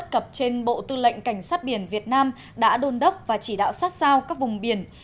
cập trên bộ tư lệnh cảnh sát biển việt nam đã đôn đốc và chỉ đạo sát sao các vùng biển